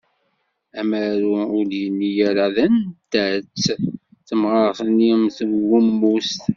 Amaru ur d-yenni ara d anta-tt temɣart-nni mm twemmust.